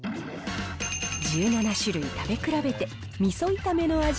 １７種類食べ比べて、みそ炒めの味